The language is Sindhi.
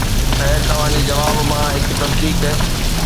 خير توهان جي جواب مان هڪ تصديق